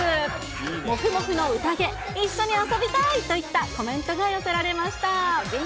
もふもふの宴、一緒に遊びたい！といったコメントが寄せられました。